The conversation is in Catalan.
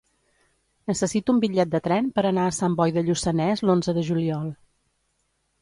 Necessito un bitllet de tren per anar a Sant Boi de Lluçanès l'onze de juliol.